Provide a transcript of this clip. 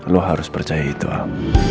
lo harus percaya itu aku